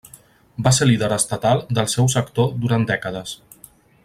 Va ser líder estatal del seu sector durant dècades.